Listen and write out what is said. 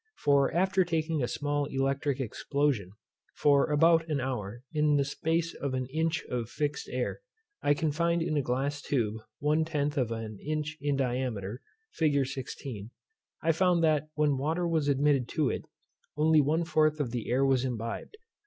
For after taking a small electric explosion, for about an hour, in the space of an inch of fixed air, confined in a glass tube one tenth of an inch in diameter, fig. 16, I found that when water was admitted to it, only one fourth of the air was imbibed.